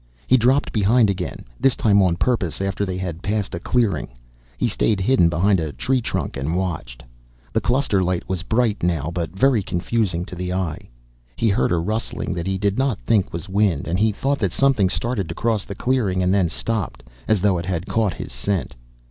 He dropped behind again, this time on purpose, after they had passed a clearing. He stayed hidden behind a tree trunk and watched. The cluster light was bright now but very confusing to the eye. He heard a rustling that he did not think was wind, and he thought that something started to cross the clearing and then stopped, as though it had caught his scent.